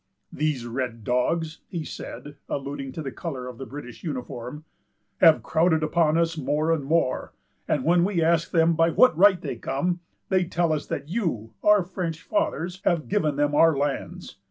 "These red dogs," he said, alluding to the color of the British uniform, "have crowded upon us more and more; and when we ask them by what right they come, they tell us that you, our French fathers, have given them our lands.